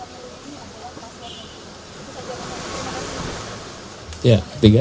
ugatan ini ke mk